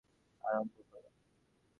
সেইদিন রাত্রে ওর ঠাণ্ডা লেগে কাশি আরম্ভ হল।